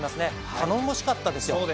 頼もしかったですよ。